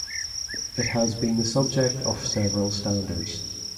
It has been the subject of several standards.